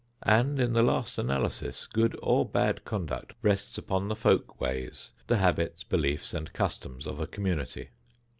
And, in the last analysis, good or bad conduct rests upon the "folk ways," the habits, beliefs and customs of a community.